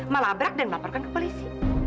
melabrak dan melaporkan ke polisi